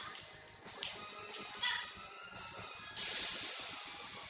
kamu sudah kabur kan